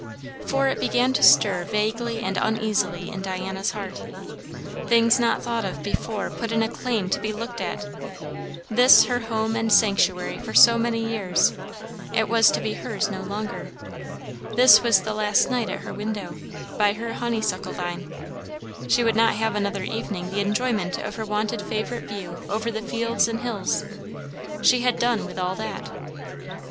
For it began to stir vaguely and uneasily in Diana's heart. Things not thought of before put in a claim to be looked at. This her home and sanctuary for so many years, it was to be hers no longer. This was the last night at her window, by her honeysuckle vine. She would not have another evening the enjoyment of her wonted favourite view over the fields and hills; she had done with all that.